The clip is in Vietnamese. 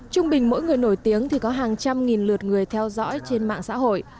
trung bình mỗi người nổi tiếng thì có hàng trăm nghìn lượt người theo dõi trên mạng xã hội